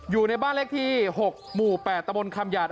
อยู่ในบ้านเลขที่๖หมู่๘ตะบนคำหยาด